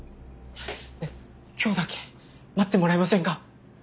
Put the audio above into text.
ねえ今日だけ待ってもらえませんか？